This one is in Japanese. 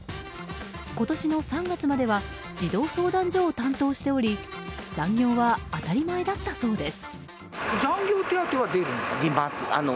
今年の３月までは児童相談所を担当しており残業は当たり前だったそうです。